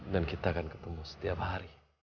dan kita akan ketemu setiap hari